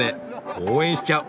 応援しちゃう！